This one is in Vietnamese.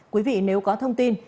quý vị nếu có thông tin